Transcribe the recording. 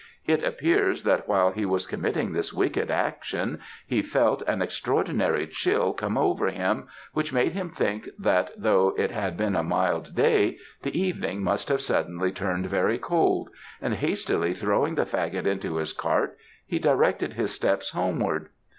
'It appears that while he was committing this wicked action, he felt an extraordinary chill come over him, which made him think that, though it had been a mild day, the evening must have suddenly turned very cold, and hastily throwing the faggot into his cart, he directed his steps homeward.